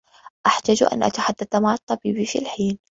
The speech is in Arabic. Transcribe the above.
أحتاج أن أتحدّث مع الطّبيب في الحين.